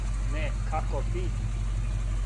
Не, како би?